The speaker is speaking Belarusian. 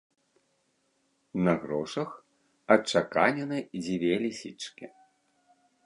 На грошах адчаканены дзве лісічкі.